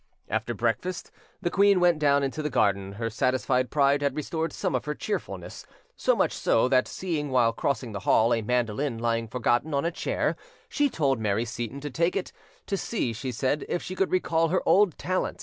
After breakfast, the queen went down into the garden: her satisfied pride had restored some of her cheerfulness, so much so that, seeing, while crossing the hall, a mandolin lying forgotten on a chair, she told Mary Seyton to take it, to see, she said, if she could recall her old talent.